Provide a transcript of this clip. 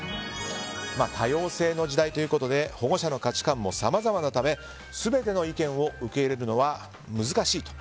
多様性の時代ということで保護者の価値観もさまざまなため全ての意見を受け入れるのは難しいと。